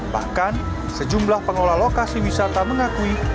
bahkan sejumlah pengolah lokasi wisata mengakui